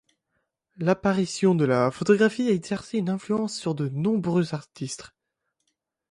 L'apparition de la photographie a exercé une influence sur de nombreux artistes.